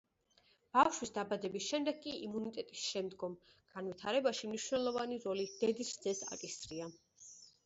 ბავშვის დაბადების შემდეგ კი იმუნიტეტის შემდგომ განვითარებაში მნიშვნელოვანი როლი დედის რძეს აკისრია.